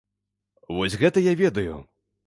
Вось гэта я ведаю!